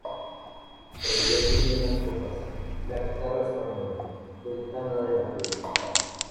reía el vino en las copas, y la guitarra española , sultana de la fiesta